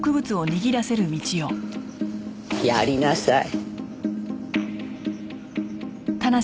やりなさい。